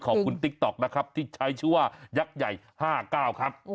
ติ๊กต๊อกนะครับที่ใช้ชื่อว่ายักษ์ใหญ่๕๙ครับ